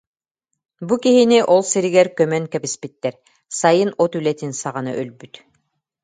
Бу киһини ол сиригэр көмөн кэбиспиттэр, сайын от үлэтин саҕана өлбүт